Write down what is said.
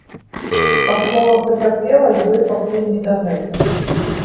Па словах пацярпелай, ёй пакуль не да гэтага.